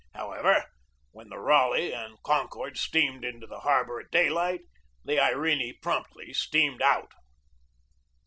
However, when the Raleigh and Con cord steamed into the harbor at daylight the Irene promptly steamed out.